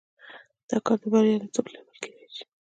دا کار د بریالیتوب لامل کېدای شي.